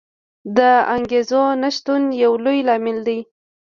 د انګېزو نه شتون یو لوی لامل دی.